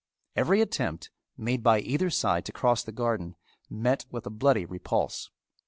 Every attempt, made by either side to cross the garden, met with a bloody repulse.